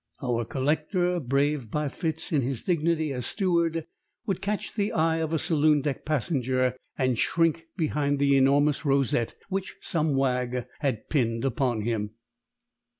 Our collector, brave by fits in his dignity as steward, would catch the eye of a saloon deck passenger and shrink behind the enormous rosette which some wag had pinned upon him.